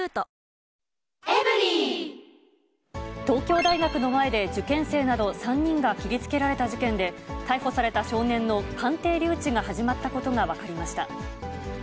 東京大学の前で、受験生など、３人が切りつけられた事件で、逮捕された少年の鑑定留置が始まったことが分かりました。